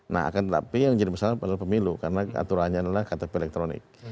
nah akan tetapi yang jadi masalah adalah pemilu karena aturannya adalah ktp elektronik